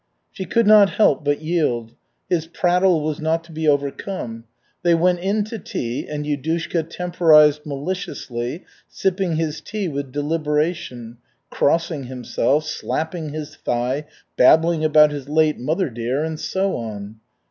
She could not help but yield. His prattle was not to be overcome. They went in to tea, and Yudushka temporized maliciously, sipping his tea with deliberation, crossing himself, slapping his thigh, babbling about his late mother dear, and so on.